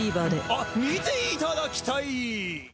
あっ見ていただきたい！